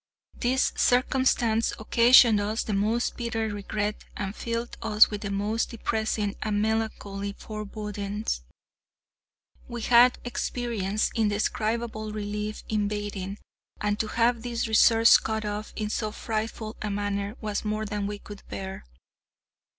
This circumstance occasioned us the most bitter regret and filled us with the most depressing and melancholy forebodings. We had experienced indescribable relief in bathing, and to have this resource cut off in so frightful a manner was more than we could bear.